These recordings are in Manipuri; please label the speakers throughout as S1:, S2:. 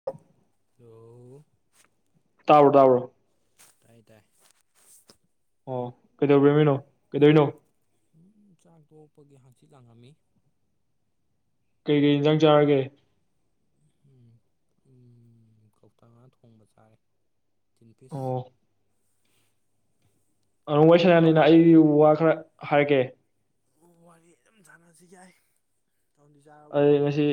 S1: [unintelligible]
S2: ꯍꯜꯂꯣ
S1: ꯇꯥꯕꯔꯣ ꯇꯥꯕꯔꯣ
S2: ꯇꯥꯏ ꯇꯥꯏ
S1: ꯑꯣ ꯀꯩꯗꯧꯔꯝꯃꯤꯅꯣ ꯀꯩꯗꯧꯅꯣ
S2: ꯁꯨꯝ ꯆꯥꯛ ꯇꯂꯄꯒꯤ ꯍꯥꯥꯡꯆꯤ ꯂꯥꯡꯉꯝꯃꯤ
S1: ꯀꯩ ꯀꯩ ꯌꯦꯟꯖꯥꯡ ꯆꯥꯔꯒꯦ
S2: ꯎꯝ ꯏꯝ ꯀꯧꯇꯥ ꯉꯥ ꯊꯣꯡꯕ ꯆꯥꯔꯦ ꯇꯤꯟ ꯐꯤꯁ
S1: ꯑꯣ ꯑꯗꯨꯝ ꯋꯥ ꯁꯅꯥꯅꯤꯅ ꯑꯩ ꯋꯥ ꯈꯔ ꯍꯥꯏꯒꯦ
S2: ꯎ ꯋꯥꯔꯤ ꯑꯗꯨꯝ ꯁꯥꯟꯅꯁꯤ ꯌꯥꯏ
S1: ꯑꯩ
S2: ꯆꯥꯔꯕꯣ
S1: ꯉꯁꯤ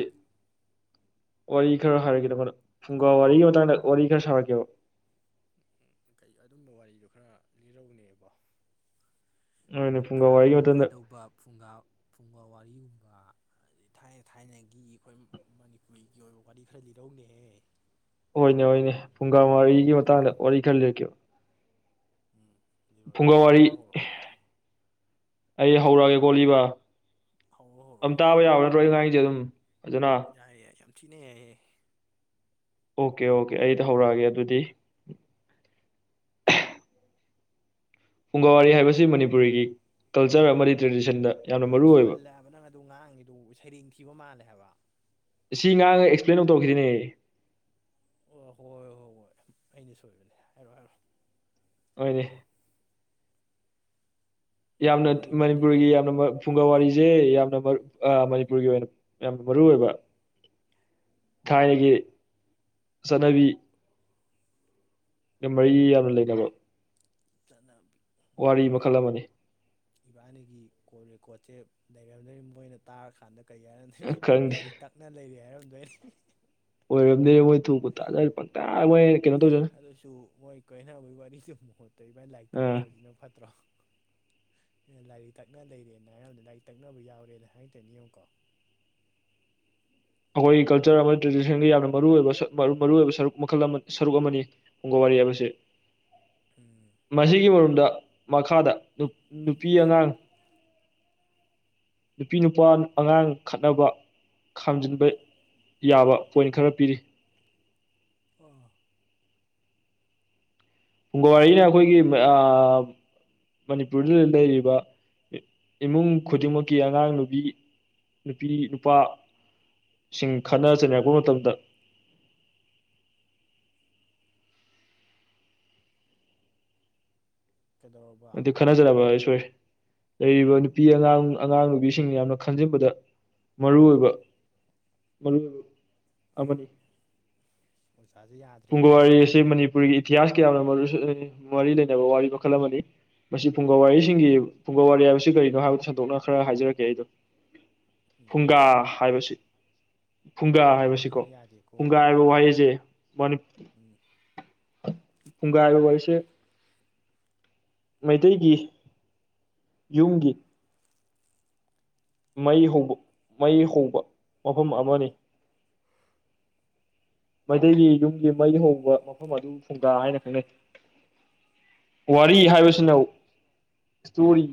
S1: ꯋꯥꯔꯤ ꯈꯔ ꯍꯥꯏꯔꯛꯒꯦꯗꯕ ꯄꯨꯡꯒꯥ ꯋꯥꯔꯤꯒꯤ ꯃꯇꯥꯡꯗ ꯋꯥꯔꯤ ꯈꯔ ꯁꯥꯔꯛꯀꯦꯕ
S2: ꯎ ꯀꯩ ꯑꯗꯨꯝꯕ ꯋꯥꯔꯤꯗꯣ ꯈꯔ ꯂꯤꯔꯛꯎꯅꯦ ꯏꯕꯣ
S1: ꯍꯣꯏꯅꯦ ꯐꯨꯡꯒꯥ
S2: ꯇꯥꯕ
S1: ꯋꯥꯔꯤꯒꯤ ꯃꯇꯥꯡꯗ
S2: ꯅꯨꯡꯉꯥꯏꯗꯧꯕ ꯐꯨꯡꯒꯥ ꯐꯨꯡꯒꯥ ꯋꯥꯔꯤꯒꯨꯝꯕ ꯊꯥꯏꯅ ꯊꯥꯏꯅꯒꯤ ꯑꯩꯈꯣꯏ ꯃꯅꯤꯄꯨꯔꯤꯒꯤ ꯑꯣꯏꯕ ꯋꯥꯔꯤ ꯈꯔ ꯂꯤꯔꯧꯅꯦꯍꯦ
S1: ꯍꯣꯏꯅꯦ ꯍꯅꯦ ꯄꯨꯡꯒꯥ ꯃꯔꯤꯒꯤ ꯃꯇꯥꯡꯗ ꯋꯥꯔꯤ ꯈꯔ ꯂꯦꯞꯀꯌꯨ
S2: ꯎꯝ ꯂꯤꯔꯣ
S1: ꯐꯨꯡꯒꯥ
S2: ꯂꯤꯔꯣ
S1: ꯋꯥꯔꯤ
S2: ꯍꯧꯔꯣ
S1: ꯑꯩ ꯍꯧꯔꯛꯑꯒꯦ ꯈꯣꯂꯤꯕ
S2: ꯍꯧꯔꯣ ꯍꯧꯔꯣ ꯍꯧꯔꯣ
S1: ꯑꯝ ꯇꯥꯕ ꯌꯥꯎꯕ ꯅꯠꯇ꯭ꯔꯣ ꯑꯩꯅꯥ ꯉꯥꯡꯉꯤꯁꯦ ꯑꯗꯨꯝ ꯐꯖꯅ
S2: ꯌꯥꯏꯌꯦ ꯌꯥꯝꯝ ꯊꯤꯅꯦ ꯌꯥꯌꯦ
S1: ꯑꯣꯀꯦ ꯑꯣꯀꯦ ꯑꯩꯗ ꯍꯧꯔꯛꯑꯒꯦ ꯑꯗꯨꯗꯤ ꯐꯨꯡꯒꯥ ꯋꯥꯔꯤ ꯍꯥꯏꯕꯁꯤ ꯃꯅꯤꯄꯨꯔꯤꯒꯤ ꯀꯜꯆꯔ ꯑꯃꯗꯤ ꯇ꯭ꯔꯦꯗꯤꯁꯟꯗ ꯌꯥꯝꯅ
S2: ꯅꯪ
S1: ꯃꯔꯨ ꯑꯣꯏꯕ
S2: ꯊꯨꯝꯕꯜꯂꯦ ꯍꯥꯏꯕ ꯅꯪ ꯑꯗꯨ ꯉꯥꯡꯉꯤꯗꯨ ꯁꯩꯔꯦꯡ ꯊꯤꯕ ꯃꯥꯜꯂꯦ ꯍꯥꯏꯕ
S1: ꯁꯤ ꯉꯥꯡꯉ ꯑꯦꯛꯁꯄ꯭ꯂꯦꯟ ꯇꯧ ꯇꯧꯈꯤꯁꯤꯅꯦ
S2: ꯑꯣ ꯍꯣꯏ ꯍꯣꯏ ꯍꯣꯏ ꯍꯣꯏ ꯑꯩꯅ ꯁꯣꯏꯕꯅꯦ ꯍꯥꯏꯔꯣ ꯍꯥꯏꯔꯣ
S1: ꯍꯣꯏꯅꯦ
S2: ꯃꯌꯥꯝ
S1: ꯌꯥꯝꯅ
S2: ꯑꯩꯈꯣꯏ ꯏꯕꯥꯅꯤꯒꯤ
S1: ꯃꯅꯤꯄꯨꯔꯒꯤ ꯌꯥꯝꯅ ꯐꯨꯡꯒꯥ ꯋꯥꯔꯤꯁꯦ ꯌꯥꯝꯅ ꯃꯅꯤꯄꯨꯔꯒꯤ ꯑꯣꯏꯅ ꯌꯥꯝꯅ ꯃꯔꯨ ꯑꯣꯏꯕ ꯊꯥꯏꯅꯒꯤ ꯆꯠꯅꯕꯤ ꯅ ꯃꯔꯤ ꯌꯥꯝꯅ ꯂꯩꯅꯕ
S2: ꯆꯅꯕꯤ
S1: ꯋꯥꯔꯤ ꯃꯈꯜ ꯑꯃꯅꯤ
S2: ꯏꯕꯥꯅꯤꯒꯤ ꯀꯣꯜ ꯔꯦꯀꯣꯔꯠꯁꯦ ꯂꯩꯔꯝꯗꯔꯤ ꯃꯣꯏꯅ ꯇꯥꯔꯀꯥꯟꯗ ꯀꯔꯤ ꯍꯥꯏꯅ
S1: ꯈꯪꯗꯦ
S2: ꯂꯥꯏꯔꯤꯛ ꯇꯛꯅ ꯂꯩꯔꯤ ꯍꯥꯏꯔꯝꯗꯣꯏꯅꯤ
S1: [unintelligible]
S2: ꯑꯦ ꯑꯗꯨꯁꯨ ꯃꯣꯏ ꯀꯥꯏꯅꯕꯒꯤ ꯋꯥꯔꯤꯗꯨ ꯃꯍꯨꯠꯇ ꯏꯕꯥꯏꯅꯤ ꯂꯥꯏꯔꯤꯛ
S1: ꯑ
S2: ꯇꯥꯛꯅꯕꯁꯤꯅ ꯐꯠꯇ꯭ꯔꯣ ꯂꯥꯏꯔꯤꯛ ꯇꯥꯛꯅ ꯂꯩꯔꯦꯅ ꯍꯥꯏꯔꯕꯗ ꯂꯥꯏꯔꯤꯛ ꯇꯥꯛꯅꯕ ꯌꯥꯎꯔꯦꯅ ꯍꯥꯏꯔꯛꯇꯣꯏꯅꯤ ꯌꯦꯡꯉꯨꯀꯣ
S1: ꯑꯩꯈꯣꯏꯒꯤ ꯀꯜꯆꯔ ꯑꯃꯗꯤ ꯇ꯭ꯔꯦꯗꯤꯁꯟꯒꯤ ꯌꯥꯝꯅ ꯃꯔꯨꯑꯣ ꯑꯣꯏꯕ ꯃꯔꯨꯑꯣꯏꯕ ꯁꯔꯨꯛ ꯃꯈꯜ ꯁꯔꯨꯛ ꯑꯃꯅꯤ ꯐꯨꯡꯒꯥ ꯋꯥꯔꯤ ꯍꯥꯏꯕꯁꯤ
S2: ꯎꯝ
S1: ꯃꯁꯤꯒꯤ ꯃꯔꯨꯝꯗ ꯃꯈꯥꯗ ꯅꯨꯄꯤ ꯑꯉꯥꯡ ꯅꯨꯄꯤ ꯅꯨꯄꯥ ꯑꯉꯥꯡ ꯈꯠꯅꯕ ꯈꯥꯝꯖꯤꯟꯕ ꯌꯥꯕ ꯄꯣꯏꯟ ꯈꯔ ꯄꯤꯔꯤ
S2: ꯑꯥ
S1: ꯐꯨꯡꯒ ꯋꯥꯔꯤꯅ ꯑꯩꯈꯣꯏꯒꯤ ꯃꯅꯤꯄꯨꯔꯗꯨꯗ ꯂꯩꯔꯤꯕ ꯏꯃꯨꯡ ꯈꯨꯗꯤꯡꯃꯛꯀꯤ ꯑꯉꯥꯡ ꯅꯨꯕꯤ ꯅꯨꯄꯤ ꯅꯨꯄꯥ ꯁꯤꯡ ꯈꯠꯅ ꯆꯩꯅꯔꯛꯄ ꯃꯇꯝꯗ
S2: ꯀꯩꯗꯧꯔꯕ
S1: ꯈꯠꯟ ꯆꯩꯅꯕꯥꯌꯦ ꯁꯣꯏ ꯂꯩꯔꯤꯕ ꯅꯨꯄꯤ ꯑꯉꯥꯡ ꯑꯉꯥꯡ ꯅꯨꯕꯤꯁꯤꯡꯅ ꯌꯥꯝꯅ ꯈꯟꯖꯤꯟꯕꯗ ꯃꯔꯨ ꯑꯣꯏꯕ ꯃꯔꯨ ꯃꯔ ꯑꯃꯅꯤ
S2: ꯃꯨꯁꯥꯖꯦ ꯌꯥꯗ
S1: ꯐꯨꯡꯒ ꯋꯥꯔꯤ ꯑꯁꯤ ꯃꯅꯤꯄꯨꯔꯒꯤ ꯏꯇꯤꯍꯥꯁꯀ ꯌꯥꯝꯅ ꯃꯔꯤ ꯂꯩꯅꯕ ꯋꯥꯔꯤ ꯃꯈꯜ ꯑꯃꯅꯤ ꯃꯁꯤ ꯐꯨꯡꯒꯥ ꯋꯥꯔꯤꯁꯤꯡꯒꯤ ꯐꯨꯡꯒꯥ ꯋꯥꯔꯤ ꯍꯥꯏꯕꯁꯤ ꯀꯔꯤꯅꯣ ꯍꯥꯏꯕꯗꯨ ꯁꯟꯗꯣꯛꯅ ꯈꯔ ꯍꯥꯏꯖꯔꯛꯀꯦ ꯑꯩꯗꯣ ꯐꯨꯡꯒꯥ
S2: ꯎꯝ ꯑꯣꯖꯥꯁꯦ
S1: ꯍꯥꯏꯕꯁꯤ ꯐꯨꯡꯒꯥ
S2: ꯑꯣꯖꯥꯁꯦ
S1: ꯍꯥꯏꯕꯁꯤꯀꯣ
S2: ꯈꯔ ꯌꯥꯗꯦꯀꯣ
S1: ꯐꯨꯡꯒꯥ ꯋꯥꯍꯩꯁꯦ ꯃꯅꯤ
S2: ꯄꯨꯅ
S1: ꯐꯨꯡꯒꯥ ꯍꯥꯏꯕ ꯋꯥꯔꯤꯁꯦ ꯃꯩꯇꯩꯒꯤ ꯌꯨꯝꯒꯤ ꯃꯩ ꯍꯧꯕ ꯃꯩ ꯍꯧꯕ ꯃꯐꯝ ꯑꯃꯅꯤ ꯃꯩꯇꯩꯒꯤ ꯌꯨꯝꯒꯤ ꯃꯩ ꯍꯧꯕ ꯃꯐꯝ ꯑꯗꯨ ꯐꯨꯡꯗꯥ ꯍꯥꯏꯅ ꯈꯪꯅꯩ ꯋꯥꯔꯤ ꯍꯥꯏꯕꯁꯤꯅ ꯏꯁꯇꯣꯔꯤ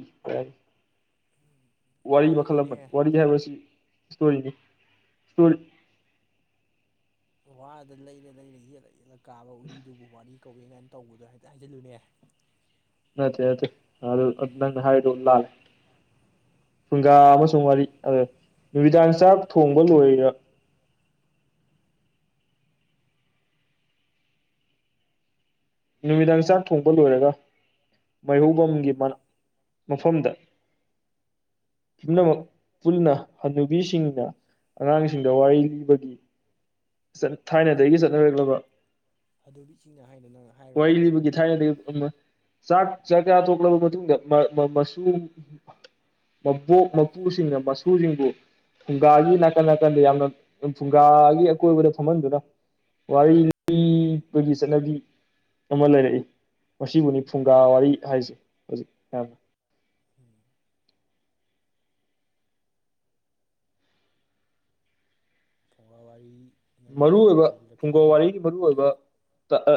S1: ꯋꯥꯔꯤ ꯃꯈꯜ ꯑꯃꯅꯤ
S2: ꯍꯥꯏꯖꯤꯜꯂꯨꯅꯦ
S1: ꯋꯥꯔꯤ ꯍꯥꯏꯕꯁꯤ ꯏꯁꯇꯣꯔꯤꯅꯤ ꯏꯁꯇꯣ
S2: ꯋꯥꯗ ꯂꯩꯔꯦ ꯂꯩꯔꯦ ꯌꯦꯠꯂ ꯌꯦꯠꯂ ꯀꯥꯕ ꯎꯔꯤꯗꯨꯕꯨ ꯋꯥꯔꯤ ꯀꯧꯋꯦ ꯀꯥꯏꯅ ꯇꯧꯕꯗꯣ ꯍꯥꯏꯐꯦ ꯍꯥꯏꯖꯤꯜꯂꯨꯅꯦ
S1: ꯅꯠꯇꯦ ꯅꯠꯇꯦ ꯑꯗꯨ ꯅꯡꯅ ꯍꯥꯏꯔꯤꯗꯨ ꯂꯥꯟꯂꯤ ꯐꯨꯪꯒꯥ ꯑꯃꯁꯨꯡ ꯋꯥꯔꯤ ꯑ ꯅꯨꯃꯤꯗꯥꯡ ꯆꯥꯛ ꯊꯣꯡꯕ ꯂꯣꯏꯔ ꯅꯨꯃꯤꯗꯥꯡ ꯆꯥꯛ ꯊꯣꯡꯕ ꯂꯣꯏꯔꯒ ꯃꯩꯍꯧꯕꯝꯒꯤ
S2: ꯎꯝ
S1: ꯃ ꯃꯐꯝꯗ ꯄꯨꯝꯅꯃꯛ ꯄꯨꯟꯅ ꯍꯅꯨꯕꯤꯁꯤꯡꯗ ꯑꯉꯥꯡꯁꯤꯡꯗ ꯋꯥꯔꯤ ꯂꯤꯕꯒꯤ ꯆꯠ ꯊꯥꯏꯅꯗꯒꯤ ꯆꯠꯅꯔꯛꯂꯕ
S2: ꯍꯥꯗꯣꯕꯤ ꯆꯤꯡꯅ ꯍꯥꯏꯅꯣ ꯅꯪ
S1: ꯋꯥꯔꯤ
S2: ꯍꯥꯏꯔꯨꯔꯅꯦ
S1: ꯂꯤꯕꯒꯤ ꯊꯥꯏꯅꯗꯤ ꯑꯃ ꯆꯥꯛ ꯆꯥꯛꯆꯥ ꯇꯣꯛꯂꯕ ꯃꯇꯨꯡꯗ ꯃ ꯃ ꯃꯁꯨ ꯃꯕꯣꯛ ꯃꯄꯨꯁꯤꯡꯅ ꯃꯁꯨꯁꯤꯡꯕꯨ ꯐꯨꯡꯒꯥꯒꯤ ꯅꯥꯀꯟ ꯅꯥꯀꯟꯗ ꯏꯌꯥꯝꯅ ꯐꯨꯡꯒꯥꯒꯤ ꯑꯀꯣꯏꯕꯗ ꯐꯝꯍꯟꯗꯨꯅ ꯋꯥꯔꯤ ꯂꯤꯕꯒꯤ ꯆꯠꯅꯕꯤ ꯑꯃ ꯂꯩꯔꯛꯏ ꯃꯁꯤꯕꯨꯅꯤ ꯐꯨꯡꯒꯥ ꯋꯥꯔꯤ ꯍꯥꯏꯁꯦ ꯍꯧꯖꯤꯛ ꯌꯥꯝꯅ
S2: ꯎꯝ ꯑꯣ ꯑꯩ
S1: ꯃꯔꯨ ꯑꯣꯏꯕ ꯐꯨꯡꯒꯧ ꯋꯥꯔꯤꯒꯤ ꯃꯔꯨꯑꯣꯏꯕ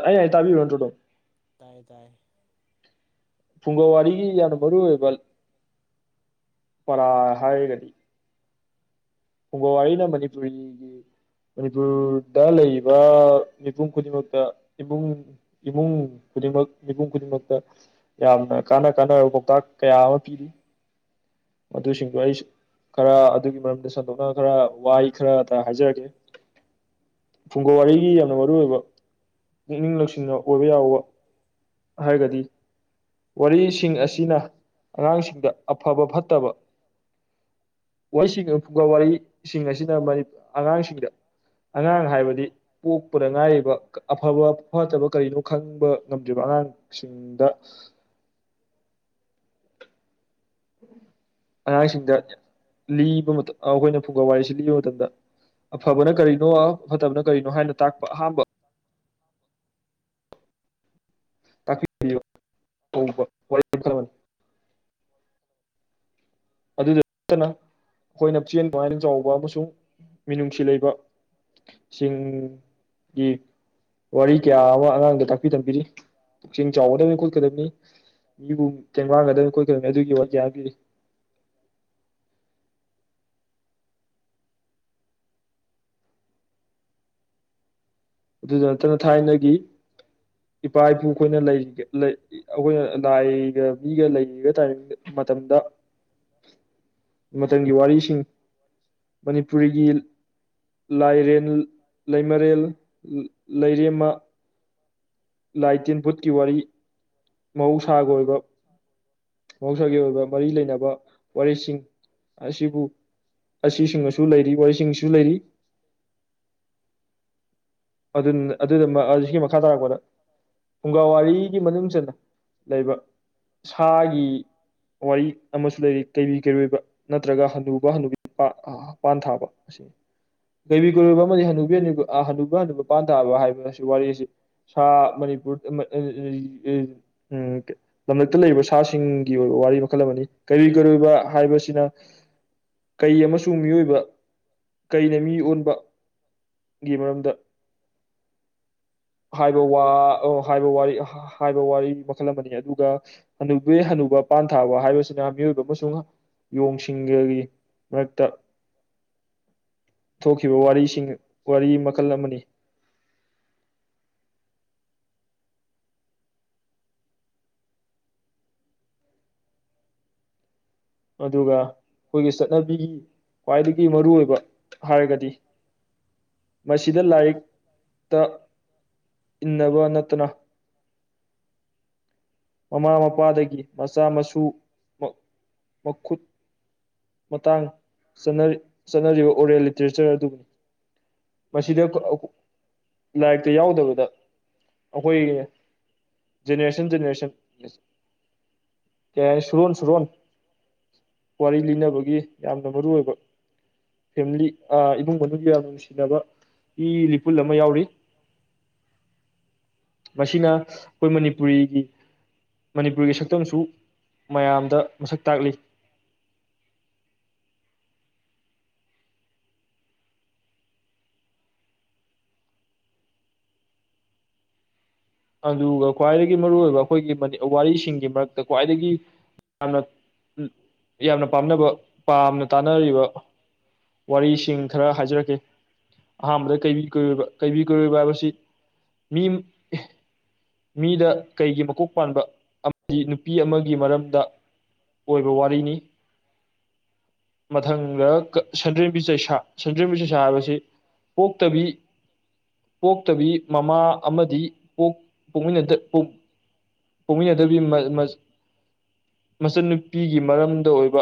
S1: ꯑꯩꯅ ꯍꯥꯏ ꯇꯥꯕꯤꯕ ꯅꯠꯇ꯭ꯔꯣꯗꯨꯝ
S2: ꯇꯥꯏꯌꯦ ꯇꯥꯏ
S1: ꯐꯨꯡꯒ ꯋꯥꯔꯤꯒꯤ ꯌꯥꯝꯅ ꯃꯔꯨ ꯑꯣꯏꯕ ꯄꯔꯥ ꯍꯥꯏꯔꯒꯗꯤ ꯐꯨꯡꯒ ꯋꯥꯔꯤꯅ ꯃꯅꯤꯄꯨꯔꯤꯒꯤ ꯃꯅꯤꯄꯨꯔꯗ ꯂꯩꯔꯤꯕ ꯃꯤꯄꯨꯝ ꯈꯨꯗꯤꯡꯃꯛꯇ ꯏꯃꯨꯡ ꯏꯃꯨꯡ ꯈꯨꯗꯤꯡꯃꯛ ꯃꯤꯄꯨꯝ ꯈꯨꯗꯤꯡꯃꯛꯇ ꯌꯥꯝꯅ ꯀꯥꯟꯅ ꯀꯥꯟꯅꯔꯕ ꯄꯥꯎꯇꯥꯛ ꯀꯌꯥ ꯑꯃ ꯄꯤꯔꯤ ꯑꯗꯨꯁꯤꯡꯗꯣ ꯑꯩ ꯈꯔ ꯑꯗꯨꯒꯤ ꯃꯔꯝꯗ ꯁꯟ ꯗꫭꯛꯅ ꯈꯔ ꯋꯥꯍꯩ ꯈꯔꯇ ꯍꯥꯏꯖꯔꯛꯀꯦ ꯐꯨꯡꯒ ꯋꯥꯔꯤꯒꯤ ꯌꯥꯝꯅ ꯃꯔꯨ ꯑꯣꯏꯕ ꯄꯨꯛꯅꯤꯡ ꯂꯧꯁꯤꯡꯅ ꯑꯣꯏꯕ ꯌꯥꯎꯕ ꯍꯥꯏꯒꯗꯤ ꯋꯥꯔꯤꯁꯤꯡ ꯑꯁꯤꯅ ꯑꯉꯥꯡꯁꯤꯡꯗ ꯑꯐꯕ ꯐꯠꯇꯕ ꯋꯥꯔꯤꯁꯤꯡ ꯐꯨꯡꯒꯥ ꯋꯥꯔꯤꯁꯤꯡ ꯑꯁꯤꯅ ꯑꯉꯥꯡꯁꯤꯡꯗ ꯑꯉꯥꯡ ꯍꯥꯏꯕꯗꯤ ꯄꯣꯛꯄꯗ ꯉꯥꯏꯔꯤꯕ ꯑꯐꯕ ꯐꯠꯇꯕ ꯀꯔꯤꯅꯣ ꯈꯪꯕ ꯉꯝꯗ꯭ꯔꯤꯕ ꯑꯉꯥꯡ [unintelligible] ꯑꯉꯥꯡꯁꯤꯡꯗ ꯂꯤꯕ ꯑꯩꯈꯣꯏꯅ ꯐꯨꯡꯒꯥ ꯋꯥꯔꯤꯁꯤ ꯂꯤꯕ ꯃꯇꯝꯗ ꯑꯐꯕꯅ ꯀꯔꯤꯅꯣ ꯐꯠꯇꯕꯅ ꯀꯔꯤꯅꯣ ꯍꯥꯏꯅ ꯇꯥꯛꯄ ꯑꯍꯥꯟꯕ ꯇꯥꯛꯄꯤ [unintelligible] ꯑꯗꯨꯗ ꯅꯠꯇꯅ ꯑꯩꯈꯣꯏꯅ ꯆꯦꯟ ꯅꯨꯡꯉꯥꯏꯅ ꯆꯥꯎꯕ ꯑꯃꯁꯨꯡ ꯃꯤꯅꯨꯡꯁꯤ ꯂꯩꯕ ꯁꯤꯡꯒꯤ ꯋꯥꯔꯤ ꯀꯌꯥ ꯑꯃ ꯑꯉꯥꯡꯗ ꯇꯥꯛꯄꯤ ꯇꯝꯕꯤꯔꯤ ꯄꯨꯛꯆꯤꯡ ꯆꯥꯎꯒꯗꯕꯅꯤ ꯈꯣꯠꯀꯗꯕꯅꯤ ꯃꯤꯕꯨ ꯇꯦꯡꯕꯥꯡꯒꯗꯕꯅꯤ ꯈꯣꯠꯀꯗꯕꯅꯤ ꯑꯗꯨꯒꯤ [unintelligible] ꯑꯗꯨꯗ ꯅꯠꯇꯅ ꯊꯥꯏꯅꯒꯤ ꯏꯄꯥ ꯏꯄꯨ ꯑꯩꯈꯣꯏꯅ ꯂꯩꯔꯤ ꯂ ꯑꯩꯈꯣꯏꯅ ꯂꯥꯏꯒ ꯃꯤꯒ ꯂꯩꯒ ꯇꯥꯏꯔꯤ ꯃꯇꯝꯗ
S2: ꯃꯇꯝꯗ
S1: ꯃꯇꯝꯊꯒꯤ ꯋꯥꯔꯤꯁꯤꯡ
S2: [unintelligible]
S1: ꯃꯅꯤꯄꯨꯔꯤꯒꯤ ꯂꯥꯏꯔꯦꯟ ꯂꯩꯃꯔꯦꯜ ꯂꯩꯔꯦꯝꯃ ꯂꯥꯏꯇꯤꯟ ꯕꯨꯠꯀꯤ ꯋꯥꯔꯤ ꯃꯍꯧꯁꯥꯒ ꯑꯣꯏꯕ
S2: [unintelligible]
S1: ꯃꯍꯧꯁꯥꯒꯤ ꯑꯣꯏꯕ ꯃꯔꯤ ꯂꯩꯅꯕ ꯋꯥꯔꯤꯁꯤꯡ ꯑꯁꯤꯕꯨ ꯑꯁꯤꯁꯤꯡꯁꯨ ꯂꯩꯔꯤ ꯋꯥꯔꯤꯩꯁꯤꯡꯁꯨ ꯂꯩꯔꯤ ꯑꯗꯨ ꯑꯗꯨꯗ ꯁꯤꯒꯤ ꯃꯈꯥ ꯇꯥꯔꯛꯄꯗ ꯐꯨꯡꯒꯥ ꯋꯥꯔꯤꯒꯤ ꯃꯅꯨꯡ ꯆꯟꯅ ꯂꯩꯕ ꯁꯥꯒꯤ ꯋꯥꯔꯤ ꯑꯃꯁꯨ ꯂꯩꯔꯤ ꯀꯩꯕꯤ ꯀꯩꯔꯣꯏꯕ ꯅꯠꯇ꯭ꯔꯒ ꯍꯟꯗꯨꯕ ꯍꯟꯗꯨꯕꯤ ꯄꯥꯟ ꯊꯥꯕ ꯑꯁꯤꯅꯤ ꯂꯩꯩꯕꯤ ꯀꯣꯏꯔꯣꯏꯕ ꯑꯃꯗꯤ ꯍꯅꯨꯕꯤ ꯑ ꯍꯅꯨ ꯏꯗꯨ ꯄꯥꯟꯊꯥꯕ ꯍꯥꯏꯕ ꯋꯥꯔꯤ ꯑꯁꯤ ꯁꯥ ꯃꯅꯤꯄꯨꯔ ꯎꯝꯦ ꯂꯝꯂꯛꯇ ꯂꯩꯕ ꯁꯥꯁꯤꯡꯒꯤ ꯑꯣꯏꯕ ꯋꯥꯔꯤ ꯃꯈꯜ ꯑꯃꯅꯤ ꯀꯔꯤ ꯀꯔꯣꯏꯕ ꯍꯥꯏꯕꯁꯤꯅ ꯀꯩ ꯑꯃꯁꯨꯡ ꯃꯤꯑꯣꯏꯕ ꯀꯩꯅ ꯃꯤ ꯑꯣꯟꯕ ꯒꯤ ꯃꯔꯝꯗ ꯍꯥꯏꯕ ꯋꯥ ꯍꯥꯏꯕ ꯋꯥꯔꯤ ꯍꯥꯏꯕ ꯋꯥꯔꯤ ꯃꯈꯜꯂꯝ ꯑꯃꯅꯤ ꯑꯗꯨꯒ ꯍꯅꯨꯕ ꯍꯅꯨꯕ ꯄꯥꯟ ꯊꯥꯕ ꯍꯥꯏꯕꯁꯤꯅ ꯃꯤꯑꯣꯏꯕ ꯑꯃꯁꯨꯡ ꯌꯣꯡꯁꯤꯡꯒꯤꯒꯒꯤ ꯃꯔꯛꯇ ꯊꯣꯛꯈꯤꯕ ꯋꯥꯔꯤꯁꯤꯡ ꯋꯥꯔꯤ ꯃꯈꯜ ꯑꯃꯅꯤ ꯑꯗꯨꯒ ꯑꯩꯈꯣꯏꯒꯤ ꯆꯠꯅꯕꯤꯒꯤ ꯈ꯭ꯋꯥꯏꯗꯒꯤ ꯃꯔꯨꯏꯕ ꯍꯥꯏꯔꯒꯗꯤ ꯃꯁꯤꯗ ꯂꯥꯏꯔꯤꯛꯇ ꯏꯟꯅꯕ ꯅꯠꯇꯅ ꯃꯃꯥ ꯃꯄꯥꯗꯒꯤ ꯃꯆꯥ ꯃꯁꯨ ꯃꯈꯨꯠ ꯃꯇꯥꯡ ꯆꯅ ꯆꯠꯅꯔꯤꯕ ꯑꯣꯔꯦꯜ ꯂꯤꯇꯔꯦꯆꯔ ꯑꯗꯨꯕꯨꯅꯤ ꯃꯁꯤ ꯁꯤꯗ ꯂꯥꯏꯔꯤꯛꯇ ꯌꯥꯎꯗꯕꯗ ꯑꯩꯈꯣꯏꯒꯤ ꯖꯦꯅꯦꯔꯦꯁꯟ ꯖꯦꯅꯦꯔꯦꯁꯟ ꯀ ꯁꯔꯨꯟ ꯁꯔꯨꯣꯟ ꯋꯥꯔꯤ ꯂꯤꯅꯕꯒꯤ ꯌꯥꯝꯅ ꯃꯔꯨ ꯑꯣꯏꯕ ꯐꯦꯃꯤꯂꯤ ꯏꯃꯨꯡ ꯃꯅꯨꯡꯒꯤ ꯌꯥꯝ ꯅꯨꯡꯁꯤꯅꯕ ꯏ ꯂꯤꯄꯨꯜ ꯑꯃ ꯌꯥꯎꯔꯤ ꯃꯁꯤꯅ ꯑꯩꯈꯣꯏ ꯃꯅꯤꯄꯨꯔꯤꯒꯤ ꯃꯅꯤꯄꯨꯔꯒꯤ ꯁꯛꯇꯝꯁꯨ ꯃꯌꯥꯝꯗ ꯃꯁꯛ ꯇꯥꯛꯂꯤ ꯑꯗꯨꯒ ꯈ꯭ꯋꯥꯏꯗꯒꯤ ꯃꯔꯨꯑꯣꯏꯕ ꯑꯩꯈꯣꯏꯒꯤ ꯋꯥꯔꯤꯁꯤꯡꯒꯤ ꯃꯔꯛꯇ ꯈ꯭ꯋꯥꯏꯗꯒꯤ ꯌꯥꯝꯅ ꯌꯥꯝꯅ ꯄꯥꯝꯅꯕ ꯄꯥꯝꯅ ꯇꯥꯅꯔꯤꯕ
S2: ꯇꯥꯅꯔꯤꯕ꯭ꯔꯣ
S1: ꯋꯥꯔꯤꯁꯤꯡ ꯈꯔ ꯍꯥꯏꯖꯔꯛꯀꯦ ꯑꯍꯥꯟꯕꯗ ꯀꯩꯕꯤ ꯀꯣꯏꯔꯣꯏꯕ ꯀꯩꯕꯤ ꯀꯣꯏꯔꯣꯏꯕ ꯍꯥꯏꯕꯁꯤ ꯃꯤ ꯃꯤꯗ ꯀꯩꯒꯤ ꯃꯀꯣꯛ ꯄꯥꯟꯕ ꯑꯃꯗꯤ ꯅꯨꯄꯤ ꯑꯃꯒꯤ ꯃꯔꯝꯗ ꯑꯣꯏꯕ ꯋꯥꯔꯤꯅꯤ ꯃꯊꯪꯗ ꯁꯟꯗ꯭ꯔꯦꯝꯕꯤ ꯆꯩꯁꯥ ꯁꯟꯗ꯭ꯔꯕꯤꯁꯤ ꯁꯥꯕꯁꯤ ꯄꯣꯛꯇꯕꯤ ꯄꯣꯛꯇꯕꯤ ꯃꯃꯥ ꯑꯃꯗꯤ ꯗ ꯄꯣꯛꯃꯤꯟꯅꯗꯕꯤ ꯃꯆꯟꯅꯨꯄꯤꯒꯤ ꯃꯔꯝꯗ ꯑꯣꯏꯕ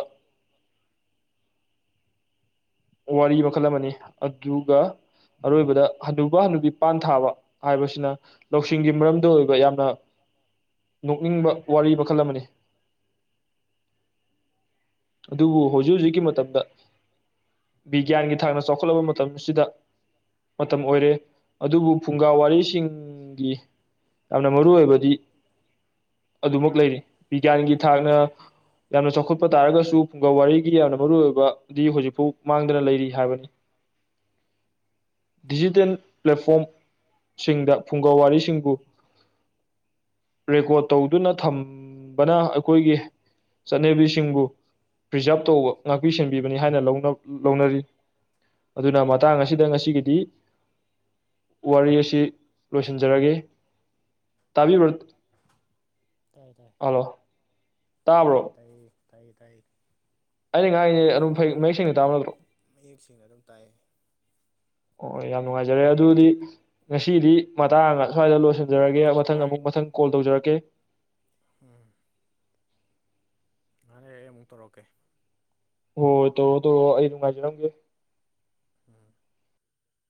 S1: ꯋꯥꯔꯤ ꯃꯈꯜ ꯑꯃꯅꯤ ꯑꯗꯨꯒ ꯑꯔꯣꯏꯕꯗ ꯍꯟꯗꯨꯕ ꯍꯟꯗꯨꯕꯤ ꯄꯥꯟ ꯊꯥꯕ ꯍꯥꯏꯕꯁꯤꯅ ꯂꯧꯁꯤꯡꯒꯤ ꯃꯔꯝꯗ ꯑꯣꯏꯕ ꯌꯥꯝꯅ ꯅꯣꯛꯅꯤꯡꯕ ꯋꯥꯔꯤ ꯃꯈꯜ ꯑꯃꯅꯤ ꯑꯗꯨꯕꯨ ꯍꯧꯖꯤꯛ ꯍꯧꯖꯤꯛꯀꯤ ꯃꯇꯝꯗ ꯕꯤꯒ꯭ꯌꯥꯟꯒꯤ ꯊꯥꯛꯅ ꯆꯥꯎꯈꯠꯂꯕ ꯃꯇꯝꯁꯤꯗ ꯃꯇꯝ ꯑꯣꯏꯔꯦ ꯑꯗꯨꯕꯨ ꯐꯨꯡꯒꯥ ꯋꯥꯔꯤ ꯆꯤꯡꯒꯤ ꯌꯥꯝꯅ ꯃꯔꯨ ꯑꯣꯏꯕꯗꯤ ꯑꯗꯨꯃꯛ ꯂꯩꯔꯤ ꯕꯤꯒ꯭ꯌꯥꯟꯒꯤ ꯊꯥꯛꯅ ꯌꯥꯝꯅ ꯆꯥꯎꯈꯠꯄ ꯇꯥꯔꯒꯁꯨ ꯐꯨꯡꯒꯥ ꯋꯥꯔꯤ ꯒꯤ ꯌꯥꯝꯅ ꯃꯔꯨ ꯑꯣꯏꯕ ꯗꯤ ꯍꯧꯖꯤꯛꯐꯥꯎ ꯃꯥꯡꯗꯅ ꯂꯩꯔꯤ ꯍꯥꯏꯕꯅꯤ ꯗꯤꯖꯤꯇꯦꯜ ꯄ꯭ꯂꯦꯠꯐꯣꯝ ꯁꯤꯡꯗ ꯐꯨꯡꯒꯥ ꯋꯥꯔꯤꯁꯤꯡꯕꯨ ꯔꯦꯀꯣꯔꯠ ꯇꯧꯗꯨꯅ ꯊꯝꯕꯅ ꯑꯩꯈꯣꯏꯒꯤ ꯆꯠꯅꯕꯤꯁꯤꯡꯕꯨ ꯄ꯭ꯔꯤꯖꯥꯕ ꯇꯧꯕ ꯉꯥꯛꯄꯤ ꯁꯦꯟꯕꯤꯕꯅꯤ ꯍꯥꯏꯅ ꯂꯧꯅ ꯂꯧꯅꯔꯤ ꯑꯗꯨꯅ ꯃꯇꯥꯡ ꯑꯁꯤꯗ ꯉꯁꯤꯒꯤꯗꯤ ꯋꯥꯔꯤ ꯑꯁꯤ ꯂꯣꯏꯁꯤꯟ ꯖꯔꯒꯦ ꯇꯥꯕꯤꯕꯔ
S2: ꯇꯥꯏꯌꯦ ꯇꯥꯏ
S1: ꯇꯥꯕ꯭ꯔꯣ
S2: ꯇꯥꯏꯌꯦ ꯇꯥꯏꯌꯦ ꯇꯥꯏꯌꯦ ꯇꯥꯏꯌꯦ
S1: ꯑꯩꯅ ꯉꯥꯡꯉꯦ ꯑꯗꯨꯝꯩ ꯃꯌꯦꯛ ꯁꯦꯡꯅ ꯇꯥꯕ ꯅꯠꯇ꯭ꯔꯣ
S2: ꯃꯌꯦꯛ ꯁꯦꯡꯅ ꯑꯗꯨꯝ ꯇꯥꯏꯑꯦ
S1: ꯑꯣ ꯌꯥꯝ ꯅꯨꯡꯉꯥꯏꯖꯔꯦ ꯑꯗꯨꯗꯤ ꯉꯁꯤꯗꯤ ꯃꯇꯥꯡ ꯑꯃ ꯁ꯭ꯋꯥꯏꯗ ꯂꯣꯏꯁꯤꯟ ꯊꯝꯖꯔꯒꯦ ꯃꯊꯪ ꯑꯃꯨꯛ ꯃꯊꯪ ꯀꯣꯜ ꯇꯧꯖꯔꯛꯀꯦ
S2: ꯎꯝ ꯉꯥꯏꯍꯛ ꯂꯩꯔꯥ ꯑꯩ ꯑꯃꯨꯛ ꯇꯧꯔꯛꯀꯦ
S1: ꯍꯣꯏꯣ ꯑꯩ ꯑꯗꯨꯅꯨꯡ ꯉꯥꯏꯖꯔꯧꯦ
S2: ꯎꯝ